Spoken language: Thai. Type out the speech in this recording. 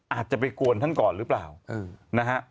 อาจจะไปกวนท่านก่อนหรือเปล่านะฮะ